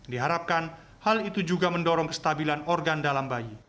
diharapkan hal itu juga mendorong kestabilan organ dalam bayi